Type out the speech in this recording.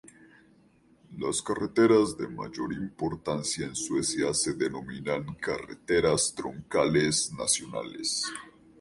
Las carreteras de mayor importancia en Suecia se denominan "carreteras troncales nacionales".